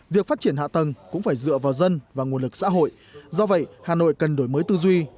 việc phát triển hạ tầng cũng phải dựa vào dân và nguồn lực xã hội do vậy hà nội cần đổi mới tư duy